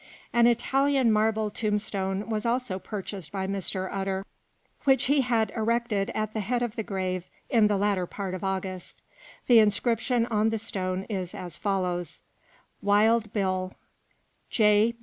An Italian marble tombstone was also purchased by Mr. Utter, which he had erected at the head of the grave in the latter part of August. The inscription on the stone is as follows: WILD BILL, (J.